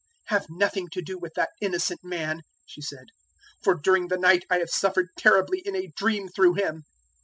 "Have nothing to do with that innocent man," she said, "for during the night I have suffered terribly in a dream through him."